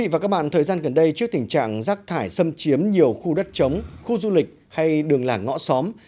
và các bạn thời gian gần đây trước tình trạng rác thải xâm chiếm nhiều khu đất chống khu du lịch hay đường làng ngõ xóm